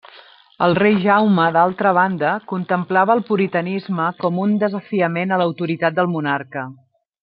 El rei Jaume, d'altra banda, contemplava el puritanisme com un desafiament a l'autoritat del monarca.